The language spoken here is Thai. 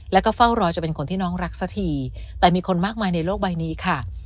แล้วก็เฝ้ารอจะเป็นคนที่น้องรักสักทีแต่มีคนมากมายในโลกใบนี้ค่ะ